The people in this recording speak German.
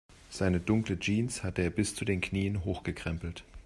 Seine dunkle Jeans hatte er bis zu den Knien hochgekrempelt.